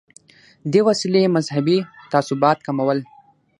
دې وسیلې مذهبي تعصبات کمول.